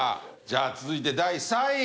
じゃあ続いて第３位。